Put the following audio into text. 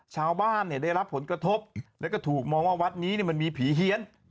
ชาวบ้านได้รับผลกระทบแล้วก็ถูกมองว่าวัดนี้มันมีผีเฮียน